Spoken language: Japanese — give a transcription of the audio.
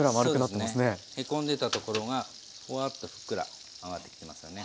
そうですねへこんでたところがほわっとふっくら上がってきてますよね。